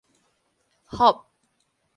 欱